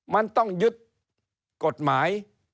มันต้องยึดกฎหมาย